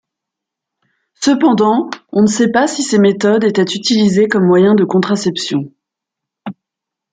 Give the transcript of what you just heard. Cependant on ne sait pas si ces méthodes étaient utilisées comme moyen de contraception.